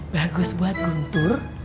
bagus buat guntur